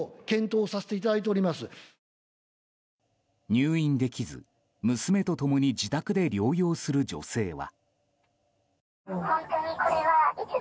入院できず娘と共に自宅で療養する女性は。